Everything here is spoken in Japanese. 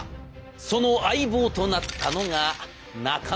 その相棒となったのが中村壮作。